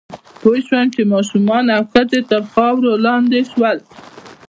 پوه شوم چې ماشومان او ښځې تر خاورو لاندې شول